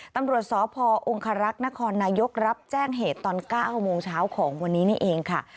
ตำรวจสพองคารักษ์นครนายกรับแจ้งเหตุตอน๙โมงเช้าของวันนี้นี่เองค่ะ